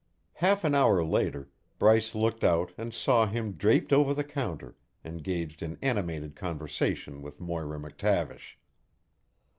Half an hour later, Bryce looked out and saw him draped over the counter, engaged in animated conversation with Moira McTavish.